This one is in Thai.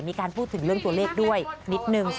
มีการพูดถึงเรื่องตัวเลขด้วยนิดนึง